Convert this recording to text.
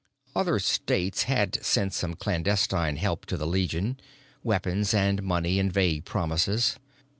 Other states had sent some clandestine help to the Legion, weapons and money and vague promises.